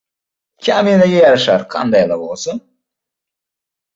Kaminaga yarashar qanday lavozim?